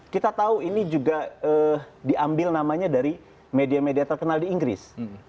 kita tahu ini juga diambil namanya dari media media terkenal di inggris